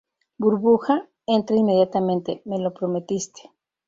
burbuja, entra inmediatamente. me lo prometiste.